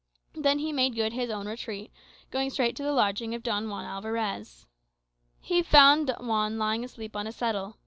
Then he made good his own retreat, going straight to the lodging of Don Juan Alvarez. He found Juan lying asleep on a settle.